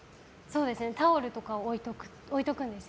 タオルとかを置いておくんです。